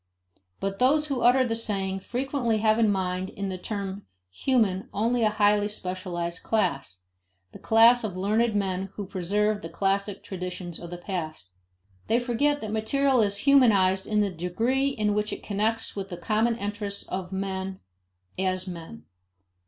But those who utter the saying frequently have in mind in the term human only a highly specialized class: the class of learned men who preserve the classic traditions of the past. They forget that material is humanized in the degree in which it connects with the common interests of men as men.